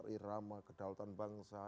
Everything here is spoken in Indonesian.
irama kedalutan bangsa